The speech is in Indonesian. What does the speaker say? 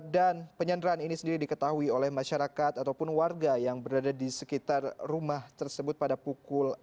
dan penyanderaan ini sendiri diketahui oleh masyarakat ataupun warga yang berada di sekitar rumah tersebut pada pukul enam pagi